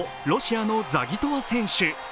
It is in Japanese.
ロシアのザギトワ選手。